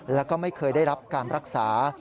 แล้วก็ไม่เคยได้รับการรักษา